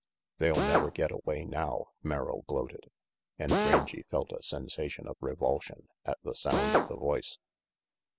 "They'll never get away now," Merrill gloated, and Rangy felt a sensation of revulsion at the sound of the voice.